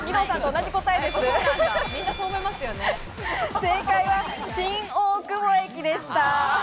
正解は新大久保駅でした。